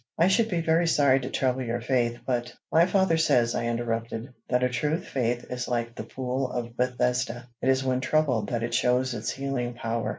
I should be very sorry to trouble your faith, but" "My father says," I interrupted, "that a true faith is like the Pool of Bethesda: it is when troubled that it shows its healing power."